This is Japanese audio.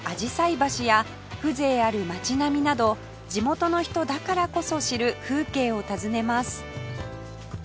橋や風情ある街並みなど地元の人だからこそ知る風景を訪ねます